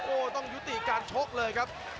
โอ้โหต้องยุติการชกเลยครับ